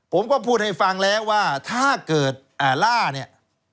ผมก็พูดให้ฟังแล้วว่าถ้าเกิดล่าเนี่ย